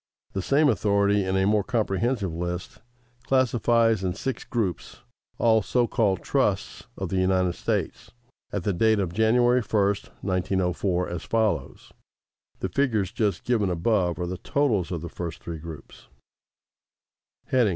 The same authority, in a more comprehensive list, classifies in six groups all so called "trusts" of the United States, at the date of January 1, 1904, as follows (the figures just given above are the totals of the first three groups): No.